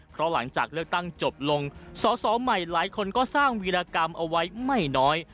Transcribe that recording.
เพราะหลังจากเลือกตั้งจบลงสอสอใหม่หลายคนก็สร้างวีรกรรมเอาไว้ไม่น้อย